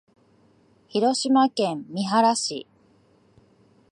広島県三原市